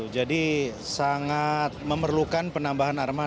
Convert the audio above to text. jadi sangat memerlukan penambahan armada